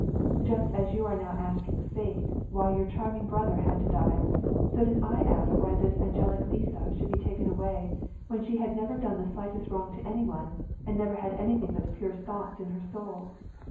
Just as you are now asking Fate why your charming brother had to die, so did I ask why this angelic Liza should betaken away, when she had never done the slishtest wrong to any one, and never had any thing but the purest thoughts in her soul.